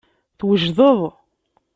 Twejdeḍ.